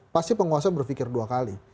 pasti penguasa berpikir dua kali